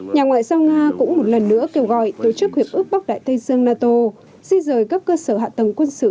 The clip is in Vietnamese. nhà ngoại giao nga cũng một lần nữa kêu gọi tổ chức hiệp ước bắc đại tây dương nato di rời các cơ sở hạ tầng quân sự